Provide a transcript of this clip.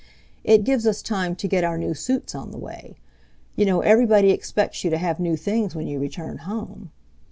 It gives us time to get our new suits on the way. You know everybody expects you to have new things when you return home.